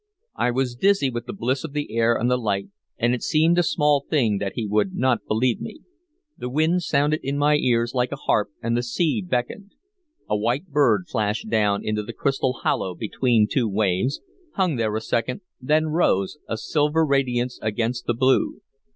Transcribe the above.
I was dizzy with the bliss of the air and the light, and it seemed a small thing that he would not believe me. The wind sounded in my ears like a harp, and the sea beckoned. A white bird flashed down into the crystal hollow between two waves, hung there a second, then rose, a silver radiance against the blue.